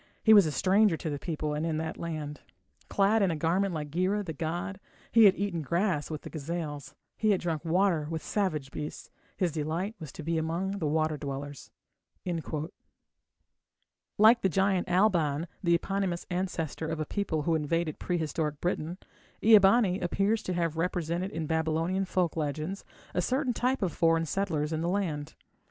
He was a stranger to the people and in that land. Clad in a garment like Gira, the god, He had eaten grass with the gazelles, He had drunk water with savage beasts. His delight was to be among water dwellers. Like the giant Alban, the eponymous ancestor of a people who invaded prehistoric Britain, Ea bani appears to have represented in Babylonian folk legends a certain type of foreign settlers in the land.